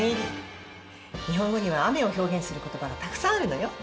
日本語には雨を表現する言葉がたくさんあるのよ。